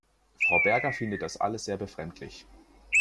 Frau Berger findet das alles sehr befremdlich.